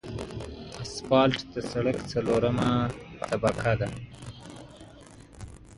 اسفالټ د سرک څلورمه طبقه ده